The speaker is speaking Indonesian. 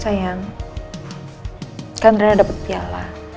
sayang kan rena dapet piala